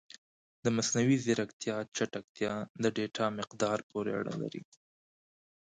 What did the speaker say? د مصنوعي ځیرکتیا چټکتیا د ډیټا مقدار پورې اړه لري.